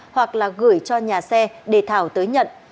hoặc là gửi cho nhà xe để thảo tới nhận